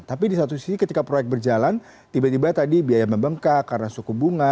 tapi di satu sisi ketika proyek berjalan tiba tiba tadi biaya membengkak karena suku bunga